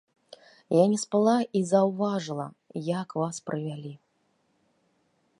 Я не спала і заўважыла, як вас прывялі.